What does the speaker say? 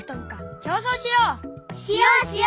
しようしよう！